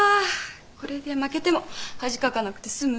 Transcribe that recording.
これで負けても恥かかなくて済む。